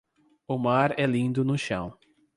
O mar é lindo no chão.